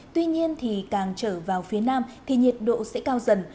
tuy nhiên thì càng trở vào phía nam thì nhiệt độ sẽ cao dần